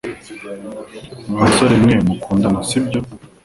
Mwa basore mukundana sibyo